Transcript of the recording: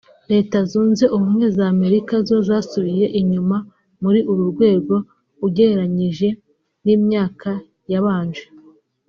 Leta Zunze Ubumwe za Amerika zo zasubiye inyuma muri uru rwego ugereranyije n’imyaka yabanje